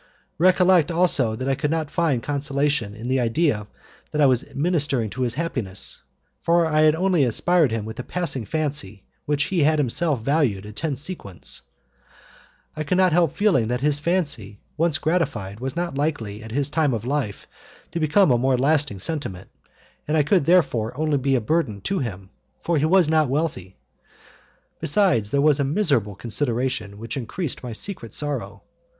Recollect also that I could not find consolation in the idea that I was ministering to his happiness, for I had only inspired him with a passing fancy which he had himself valued at ten sequins. I could not help feeling that his fancy, once gratified, was not likely at his time of life to become a more lasting sentiment, and I could therefore only be a burden to him, for he was not wealthy. Besides, there was a miserable consideration which increased my secret sorrow.